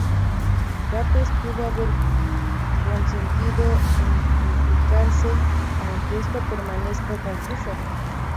Gates pudo haber consentido en implicarse, aunque esto permanezca confuso.